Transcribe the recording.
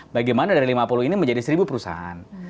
bagaimana dari lima puluh ini menjadi seribu perusahaan